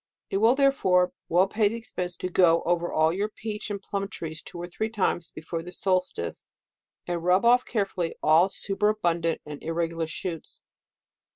It will, therefore well pay the expense to go over all your peach and plum trees two or three times, before the solstice, and rub off carefully all superabundant and irregular shoots.